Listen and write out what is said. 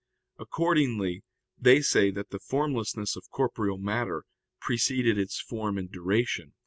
Accordingly they say that the formlessness of corporeal matter preceded its form in duration.